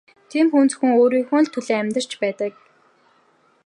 Тийм хүн зөвхөн өөрийнхөө л төлөө амьдарч явдаг.